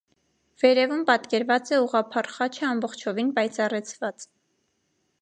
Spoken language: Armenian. Վերևում պատկերված է ուղղափառ խաչը ամբողջովին պայծառեցված։